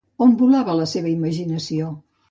On volava la seva imaginació?